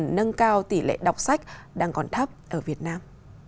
nâng cao tỷ lệ đọc sách đang còn thấp ở việt nam